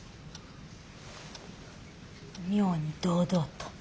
妙に堂々と。